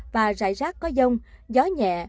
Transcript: và rải rác có dông gió nhẹ